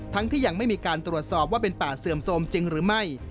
ที่ยังไม่มีการตรวจสอบว่าเป็นป่าเสื่อมโทรมจริงหรือไม่